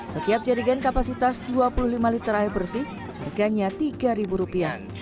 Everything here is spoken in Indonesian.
setiap jadigen kapasitas dua puluh lima liter air bersih harganya rp tiga